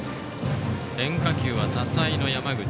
変化球は多彩な山口。